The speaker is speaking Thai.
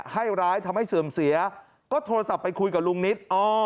ให้ร้ายทำให้เสื่อมเสียก็โทรศัพท์ไปคุยกับลุงนิต